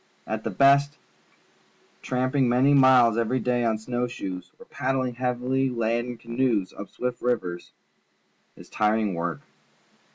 At the bast, tramping many miles e\ery day on snow shoes or paddling hea\ily laden ca noes up swift rivers is hard, tiring work.